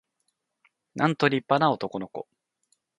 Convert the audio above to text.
なんと立派な男の子